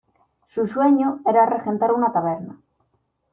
Su sueño era regentar una taberna.